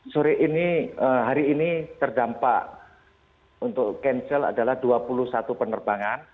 sore ini hari ini terdampak untuk cancel adalah dua puluh satu penerbangan